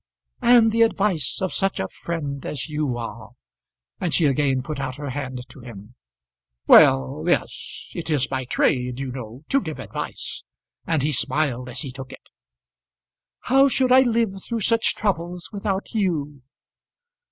"And the advice of such a friend as you are." And she again put out her hand to him. "Well; yes. It is my trade, you know, to give advice," and he smiled as he took it. "How should I live through such troubles without you?"